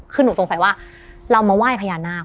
คือหนูสงสัยว่าเรามาไหว้พญานาค